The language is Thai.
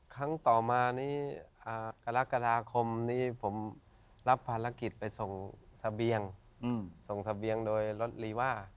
ครั้งต่อมานี้กรกฎาคมนี้ผมรับภารกิจไปส่งเสบียงส่งเสบียงโดยรถลีว่า